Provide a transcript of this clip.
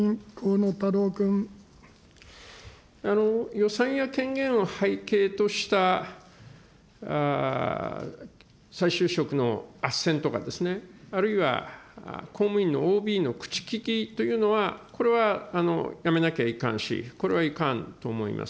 予算や権限を背景とした再就職のあっせんとか、あるいは公務員のＯＢの口利きというのは、これはやめなきゃいかんし、これはいかんと思います。